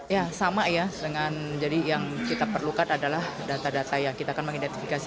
ya sama ya dengan jadi yang kita perlukan adalah data data yang kita akan mengidentifikasi